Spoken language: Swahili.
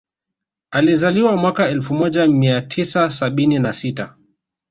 Alizaliwa mwaka elfu moja nia tisa sabini na sita